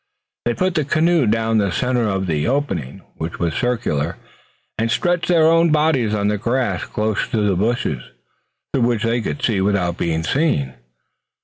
They put the canoe down in the center of the opening, which was circular, and stretched their own bodies on the grass close to the bushes, through which they could see without being seen.